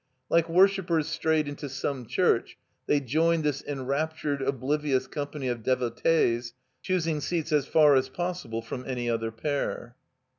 Like worshipers strayed into some church, they joined this enrapttired, oblivious company of de votees, choosing seats as far as possible from any other pair.